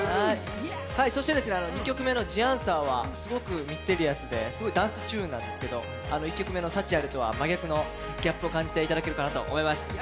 そして２曲目の「ＴｈｅＡｎｓｗｅｒ」はすごくミステリアスでダンスチューンなんですけど１曲目の「サチアレ」とは真逆のギャップを感じていただけると思います。